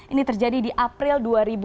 ini terjadi di april dua ribu sembilan belas